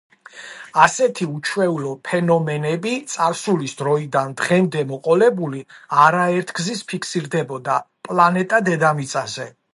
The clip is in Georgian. ასეთი უჩვეულო ფენომენები წარსულის დროიდან დღემდე მოყოლებული არაერთგზის ფიქსირდებოდა პლანეტა დედამიწაზე.